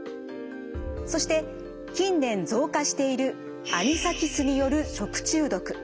そして近年増加しているアニサキスによる食中毒。